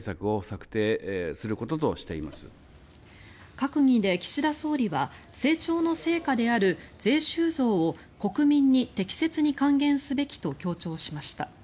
閣議で岸田総理は成長の成果である税収増を国民に適切に還元すべきと強調しました。